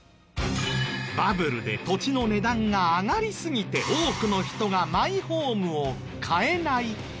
バブルで土地の値段が上がりすぎて多くの人がマイホームを買えない。